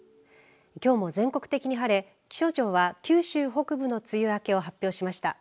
きょうも全国的に晴れ気象庁は九州北部の梅雨明けを発表しました。